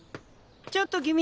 ちょっと君。